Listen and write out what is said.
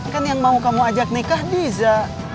kan yang mau kamu ajak nikah bisa